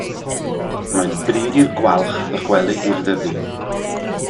Mae'n bryd i'r gwalch ddychwelyd i'r Ddyfi.